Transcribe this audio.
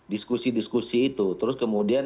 diskusi diskusi itu terus kemudian